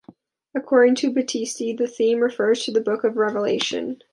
According to Battisti, the theme refers to the "Book of Revelation".